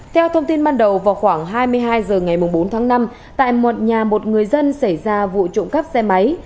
theo thông tin ban đầu vào khoảng hai mươi hai h ngày bốn tháng năm tại một nhà một người dân xảy ra vụ trộm cắp xe máy